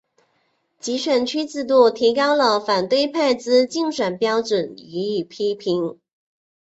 集选区制度提高了反对派之竞选标准予以批评。